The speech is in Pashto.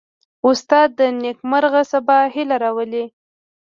استاد د نیکمرغه سبا هیله راولي.